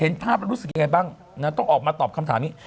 เห็นภาพแล้วรู้สึกยังไงบ้างต้องออกมาตอบคำถามนี้